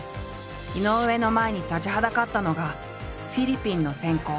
井上の前に立ちはだかったのが「フィリピンの閃光」